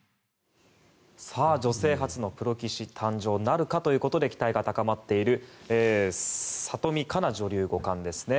女性初のプロ棋士誕生なるかということで期待が高まっている里見香奈女流五冠ですね。